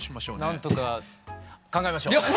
なんとか考えましょう。